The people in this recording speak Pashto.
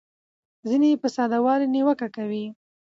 ځینې یې په ساده والي نیوکه کوي.